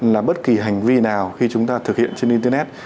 là bất kỳ hành vi nào khi chúng ta thực hiện trên internet